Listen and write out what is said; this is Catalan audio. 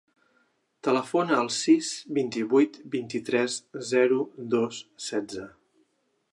Telefona al sis, vint-i-vuit, vint-i-tres, zero, dos, setze.